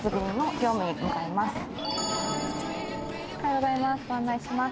おはようございます。